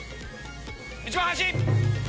一番端！